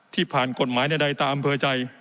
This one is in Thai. ที่ผ่านกฎหมายในใดตาอำเภอใจ